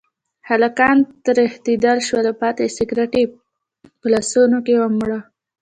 هلکان ترهېدلي شول او پاتې سګرټ یې په لاسونو کې ومروړل.